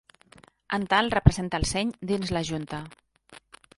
En tal representa el seny dins la junta.